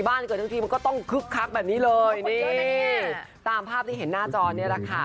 เกิดทั้งทีมันก็ต้องคึกคักแบบนี้เลยนี่ตามภาพที่เห็นหน้าจอเนี่ยแหละค่ะ